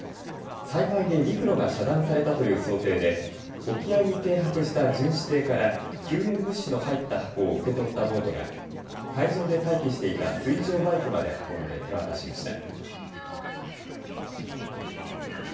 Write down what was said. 災害で陸路が遮断されたという想定で沖合に停泊した巡視艇から救援物資の入った箱を受け取ったボートが海上で待機していた水上バイクまで運んで手渡しました。